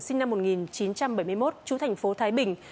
sinh năm một nghìn chín trăm bảy mươi một chú thành phố thái bình